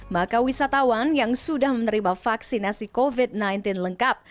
maka wisatawan yang sudah menerima vaksinasi covid sembilan belas lengkap